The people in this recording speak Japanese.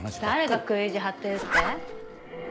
誰が食い意地張ってるって？